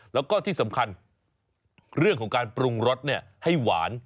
แล้วก็ที่สำคัญเรื่องของการปรุงรสให้หวาน